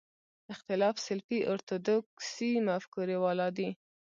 اختلاف سلفي اورتودوکسي مفکورې والا دي.